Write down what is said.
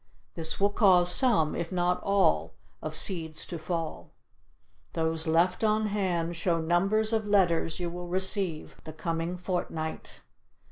This will cause some, if not all, of seeds to fall. Those left on hand show number of letters you will receive the coming fortnight.